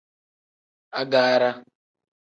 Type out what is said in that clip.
Agaara.